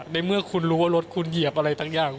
ในเมื่อคุณรู้ว่ารถคุณเหยียบอะไรทั้งอย่าง